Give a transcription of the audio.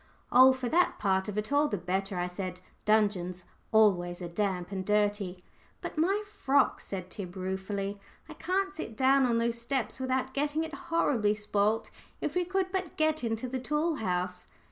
"Oh, for that part of it, all the better," I said. "Dungeons always are damp and dirty." "But my frock?" said Tib, ruefully. "I can't sit down on those steps without getting it horribly spoilt. If we could but get into the tool house!"